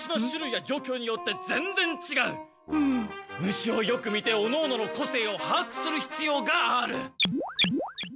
虫をよく見ておのおのの個性をはあくするひつようがある。